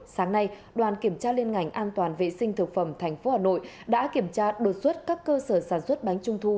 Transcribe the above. sáng nay đoàn kiểm tra liên ngành an toàn vệ sinh thực phẩm tp hà nội đã kiểm tra đột xuất các cơ sở sản xuất bánh trung thu